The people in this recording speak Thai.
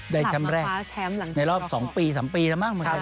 ได้แชมป์แรกในรอบ๒ปี๓ปีแล้วมั้ง